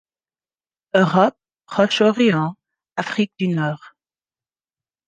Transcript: Europe, Proche-Orient, Afrique du Nord.